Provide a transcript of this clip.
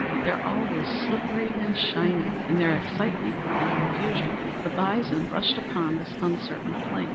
There all was slippery and shining! In their excitement and confusion the bison rushed upon this uncertain plain.